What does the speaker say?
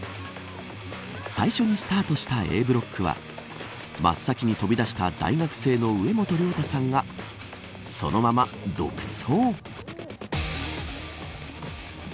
最初にスタートしたＡブロックは真っ先に飛び出した大学生の植本亮太さんがそのまま独走。